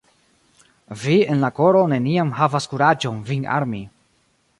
Vi en la koro neniam havas kuraĝon vin armi.